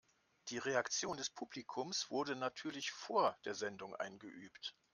Die Reaktion des Publikums wurde natürlich vor der Sendung eingeübt.